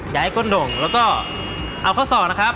จะได้ครับ